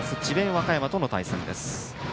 和歌山の対戦です。